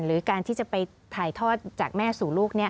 หรือการที่จะไปถ่ายทอดจากแม่สู่ลูก